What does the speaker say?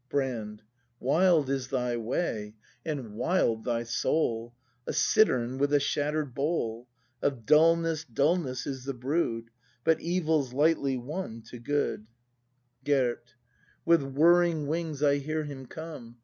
Brand. Wild is thy way, and wild thy soul, — A cittern with a shatter 'd bowl. Of dulness dulness is the brood, — But evil's lightly won to good. 54 BRAND [ACT I Gerd. "With whirring wings I hear him come!